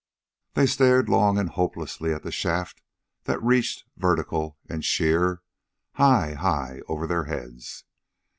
They stared long and hopelessly at the shaft that reached, vertical and sheer, high, high over their heads.